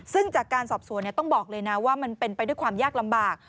ซึ่งจากการสอบสวนต้องบอกเลยนะว่ามันเป็นไปด้วยความยากลำบาก